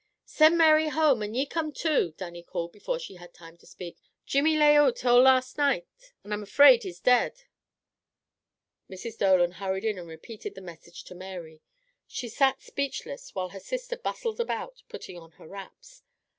"Send Mary home and ye come too," Dannie called before she had time to speak. "Jimmy lay oot all last nicht, and I'm afraid he's dead." Mrs. Dolan hurried in and repeated the message to Mary. She sat speechless while her sister bustled about putting on her wraps.